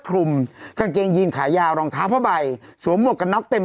คลุมกางเกงยีนขายาวรองเท้าผ้าใบสวมหมวกกันน็อกเต็ม